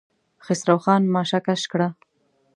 خسرو خان ماشه کش کړه.